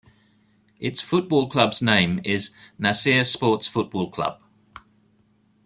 Its football club's name is Nasir Sports Football Club.